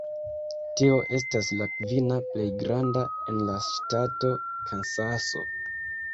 Tio estas la kvina plej granda en la ŝtato Kansaso.